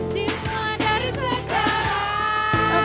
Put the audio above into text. dimulai dari sekarang